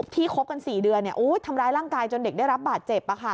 คบกัน๔เดือนทำร้ายร่างกายจนเด็กได้รับบาดเจ็บ